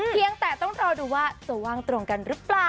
เพียงแต่ต้องรอดูว่าจะว่างตรงกันหรือเปล่า